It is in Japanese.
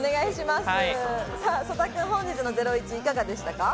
曽田君、本日の『ゼロイチ』いかがでしたか？